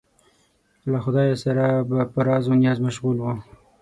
له خدایه سره به په راز و نیاز مشغول و.